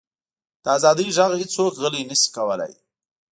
د ازادۍ ږغ هیڅوک غلی نه شي کولی.